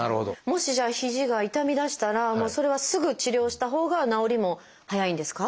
もしじゃあ肘が痛みだしたらもうそれはすぐ治療したほうが治りも早いんですか？